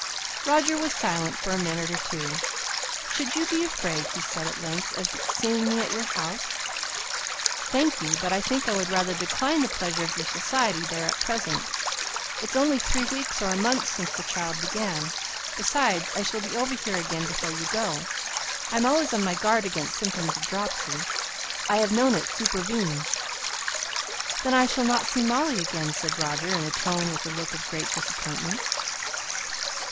Roger was silent for a minute or two. "Should you be afraid," he said at length, "of seeing me at your house?" "Thank you; but I think I would rather decline the pleasure of your society there at present. It's only three weeks or a month since the child began. Besides, I shall be over here again before you go. I'm always on my guard against symptoms of dropsy. I have known it supervene." "Then I shall not see Molly again!" said Roger, in a tone and with a look of great disappointment.